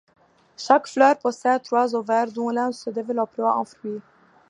Chaque fleur possède trois ovaires, dont l'un se développera en fruit.